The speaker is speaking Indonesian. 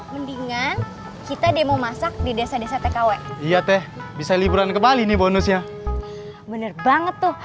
mendingan kita demo masak di desa desa tkw iya teh bisa liburan ke bali nih bonus ya bener banget tuh